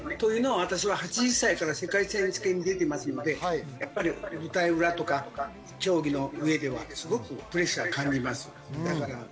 私は８０歳から世界選手権に出ていますので、舞台裏とか、競技の上ではプレッシャーをすごく感じます。